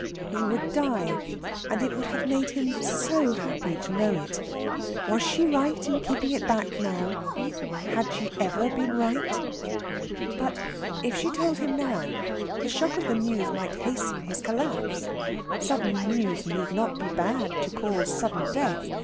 He would die, and it would have made him so happy to know it. Was she right in keeping it back now? Had she ever been right? But if she told him now, the shock of the news might hasten his collapse. Sudden news need not be bad to cause sudden death.